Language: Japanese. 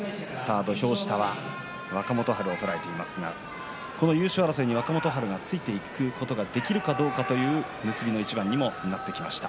土俵下、若元春を捉えていますがこの優勝争いに若元春がついていくことができるかどうかという結びの一番にもなってきました。